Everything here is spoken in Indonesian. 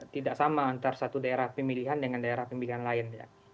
tidak sama antara satu daerah pemilihan dengan daerah pemilihan lain